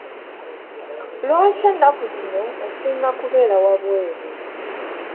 Lwaki ennaku zino osinga kubeera wabweru?